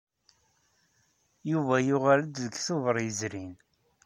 Yuba yuɣal-d deg Tubeṛ yezrin.